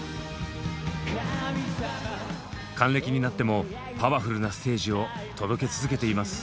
還暦になってもパワフルなステージを届け続けています。